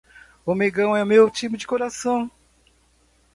O mengão é meu time do coração